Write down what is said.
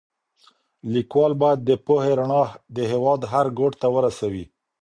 ليکوال بايد د پوهي رڼا د هېواد هر ګوټ ته ورسوي.